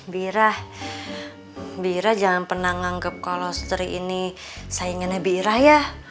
bira bira jangan pernah nganggep kalau seteri ini saingannya bira ya